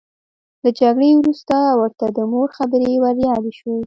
له جګړې وروسته ورته د مور خبرې وریادې شوې